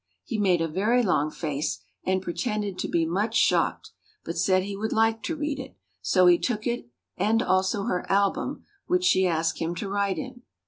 He made a very long face and pretended to be much shocked, but said he would like to read it, so he took it and also her album, which she asked him to write in.